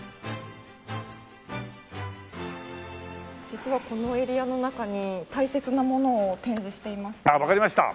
実はこのエリアの中に大切なものを展示していまして。